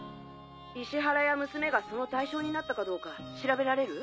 石原や娘がその対象になったかどうか調べられる？